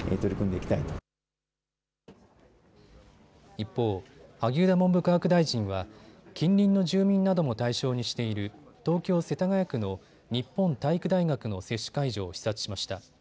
一方、萩生田文部科学大臣は近隣の住民なども対象にしている東京世田谷区の日本体育大学の接種会場を視察しました。